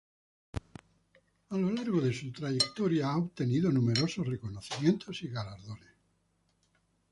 A lo largo de su trayectoria ha obtenido numerosos reconocimientos y galardones.